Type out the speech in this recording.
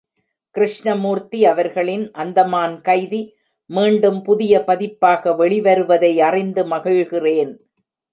கிருஷ்ணமூர்த்தி அவர்களின் அந்தமான் கைதி மீண்டும் புதிய பதிப்பாக வெளிவருவதை அறிந்து மகிழ்கிறேன்.